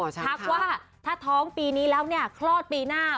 ทักว่าถ้าท้องปีนี้แล้วเนี่ยคลอดปีหน้า